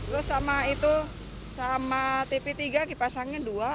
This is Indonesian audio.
terus sama itu sama tv tiga kipas angin dua